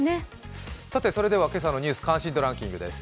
それでは今朝のニュース、関心度ランキングです。